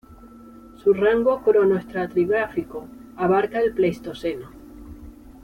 Su rango cronoestratigráfico abarcaba el Pleistoceno.